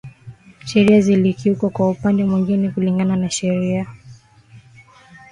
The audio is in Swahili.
Sheria zilikiukwa kwa upande mwingine Kulingana na sheria